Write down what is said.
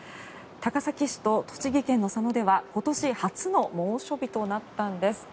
高崎市と栃木県の佐野では今年初の猛暑日となったんです。